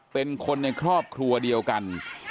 เป็นคนในครอบครัวเดียวกัน